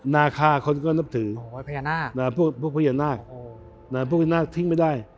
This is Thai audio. นาคาคนก็นับถือพญานาคพวกพญานาคทิ้งไม่ได้